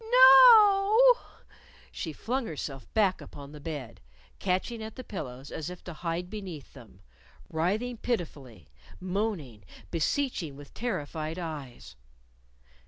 "No o o!" She flung herself back upon the bed, catching at the pillows as if to hide beneath them, writhing pitifully, moaning, beseeching with terrified eyes.